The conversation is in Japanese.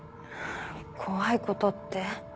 怖いことって？